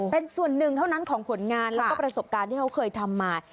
เป็นส่วนหนึ่งเท่านั้นของผลงานแล้วก็ประสบการณ์ที่เขาเคยทำมา